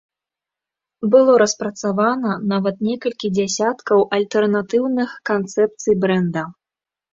Было распрацавана нават некалькі дзясяткаў альтэрнатыўных канцэпцый брэнда.